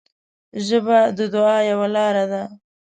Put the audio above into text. ژبه د دعا یوه لاره ده